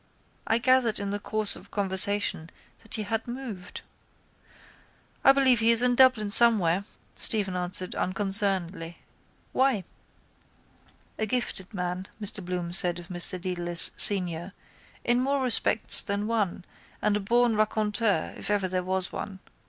I gathered in the course of conversation that he had moved. —I believe he is in Dublin somewhere, Stephen answered unconcernedly. Why? —A gifted man, Mr Bloom said of Mr Dedalus senior, in more respects than one and a born raconteur if ever there was one.